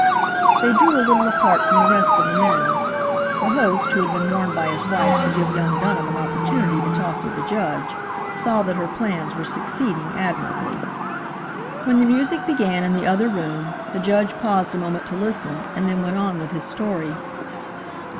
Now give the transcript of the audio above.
They drew a little apart from the rest of the men. The host, who had been warned by his wife to give young Dunham an opportunity to talk with the Judge, saw that her plans were succeeding admirably. When the music began in the other room the Judge paused a moment to listen, and then went on with his story.